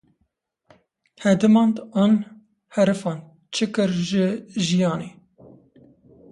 Hedimand an herifand çi kir ji jiyanê?